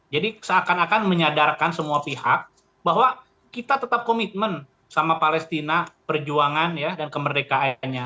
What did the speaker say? jadi seakan akan menyadarkan semua pihak bahwa kita tetap komitmen sama palestina perjuangan dan kemerdekaan